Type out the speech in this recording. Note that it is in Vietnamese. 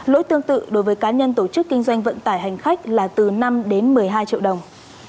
lỗi tương tự đối với cá nhân tổ chức kinh doanh vận tải hành khách là từ năm đến một mươi hai triệu đồng